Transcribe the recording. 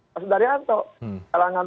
pak sundarianto kalangan